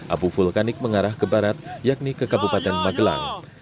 abu vulkanik mengarah ke barat yakni ke kabupaten magelang